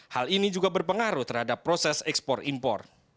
hal ini juga berpengaruh terhadap proses ekspor impor